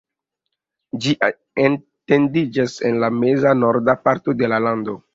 Ĝi etendiĝas en la meza-norda parto de la lando.